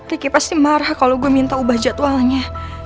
deki pasti marah kalo gue minta ubah jadwalnya